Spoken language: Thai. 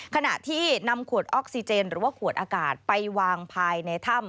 ขณะที่นำขวดออกซิเจนหรือว่าขวดอากาศไปวางภายในถ้ำ